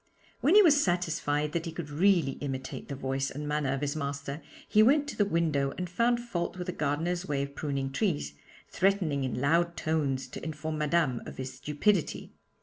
When he was satisfied that he could really imitate the voice and manner of his master, he went to the window and found fault with the gardener's way of pruning trees, threatening in loud tones to inform Madame of his stupidity.